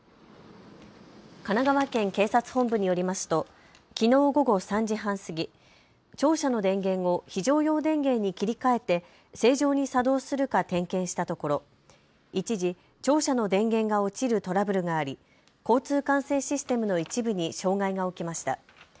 神奈川県警察本部によりますときのう午後３時半過ぎ庁舎の電源を非常用電源に切り替えて正常に作動するか点検したところ一時、庁舎の電源が落ちるトラブルがあり交通管制システムの一部に障害が起きました。